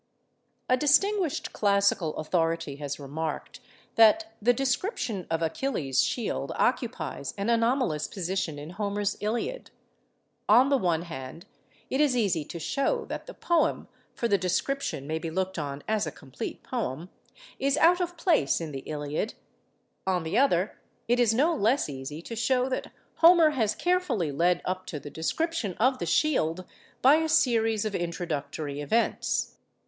_ A distinguished classical authority has remarked that the description of Achilles' shield occupies an anomalous position in Homer's 'Iliad.' On the one hand, it is easy to show that the poem—for the description may be looked on as a complete poem—is out of place in the 'Iliad;' on the other, it is no less easy to show that Homer has carefully led up to the description of the shield by a series of introductory events.